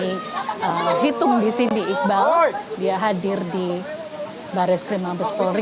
ini hitung di sini iqbal dia hadir di barres krim mabes polri